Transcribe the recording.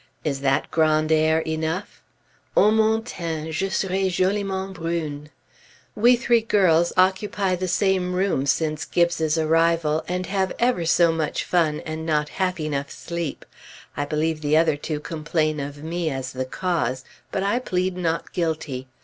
Is that grand air enough? O mon teint! je serai joliment brune! We three girls occupy the same room, since Gibbes's arrival, and have ever so much fun and not half enough sleep. I believe the other two complain of me as the cause; but I plead not guilty.